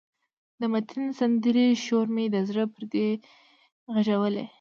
د متین د سندرې شور مې د زړه پردې غږولې.